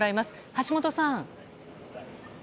橋本さん。